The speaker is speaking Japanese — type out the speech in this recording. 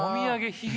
ひげ？